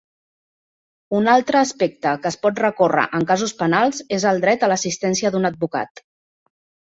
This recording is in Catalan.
Un altre aspecte que es pot recórrer en casos penals és el dret a l'assistència d'un advocat.